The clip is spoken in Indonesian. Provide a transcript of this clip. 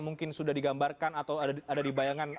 mungkin sudah digambarkan atau ada di bayangan